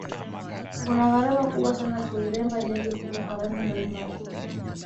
Kuna gharama kubwa sana kuiremba ndege kubwa kwa rangi mbalimbali